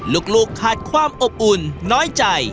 ลูกขาดความอบอุ่นน้อยใจ